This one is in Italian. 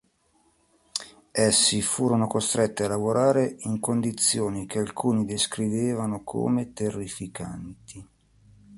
Essi furono costretti a lavorare in condizioni che alcuni descrivevano come "terrificanti".